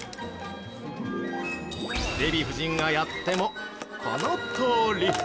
デヴィ夫人がやってもこのとおり！